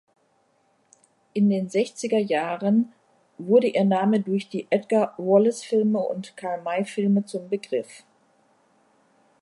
In den sechziger Jahren wurde ihr Name durch die Edgar-Wallace-Filme und Karl-May-Filme zum Begriff.